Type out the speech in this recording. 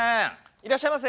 いらっしゃいませ。